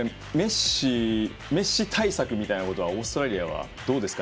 メッシ対策みたいなことはオーストラリアはどうでしたか？